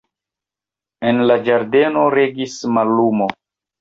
En la ĝardeno regis mallumo.